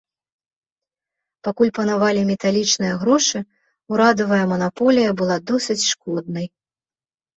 Пакуль панавалі металічныя грошы, урадавая манаполія была досыць шкоднай.